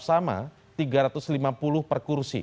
sama tiga ratus lima puluh per kursi